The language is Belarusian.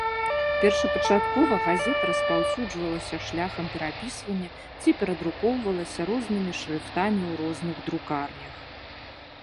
Першапачаткова газета распаўсюджвалася шляхам перапісвання ці перадрукоўвалася рознымі шрыфтамі ў розных друкарнях.